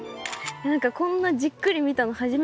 何かこんなじっくり見たの初めてです。